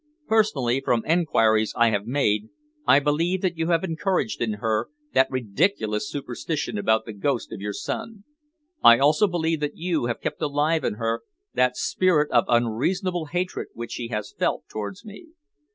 Personally, from enquiries I have made, I believe that you have encouraged in her that ridiculous superstition about the ghost of your son. I also believe that you have kept alive in her that spirit of unreasonable hatred which she has felt towards me."